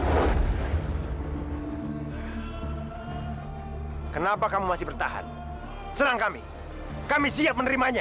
hai kenapa kamu masih bertahan serang kami kami siap menerimanya